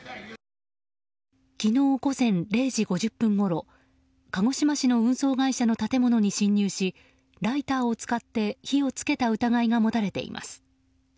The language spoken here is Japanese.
昨日午前０時５０分ごろ鹿児島市の運送会社の建物に侵入しライターを使って火を付けた疑いが持たれています。